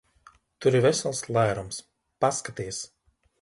Tur ir vesels lērums. Paskaties!